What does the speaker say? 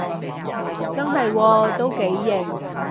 真係喎，都幾型